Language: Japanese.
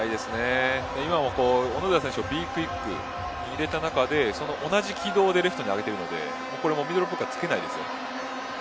今も小野寺選手のＢクイックを入れた中で同じ軌道でレフトに上げているのでこれもミドルブロッカーがつけないです。